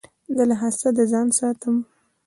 زه له حسده ځان ساتم.